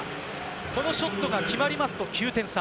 このショットが決まりますと、９点差。